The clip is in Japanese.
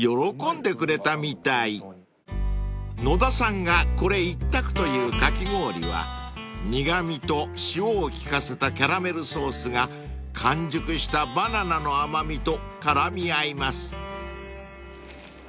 ［野田さんがこれ一択というかき氷は苦味と塩を利かせたキャラメルソースが完熟したバナナの甘味と絡み合います］